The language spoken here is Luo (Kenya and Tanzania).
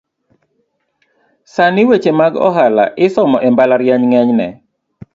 Sani weche mag ohala isomo embalariany ng’enyne